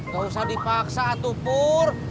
gak usah dipaksa atu pur